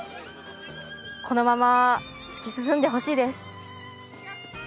このまま突き進んでほしいです。